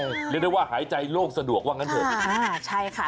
เรียกได้ว่าหายใจโลกสะดวกว่างั้นเถอะอ่าใช่ค่ะ